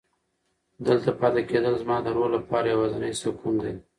دلته پاتې کېدل زما د روح لپاره یوازینی سکون دی.